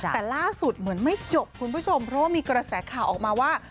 แต่ล่าสุดเหมือนไม่จบคุณผู้ชมเพราะว่ามีกระแสข่าวออกมาว่า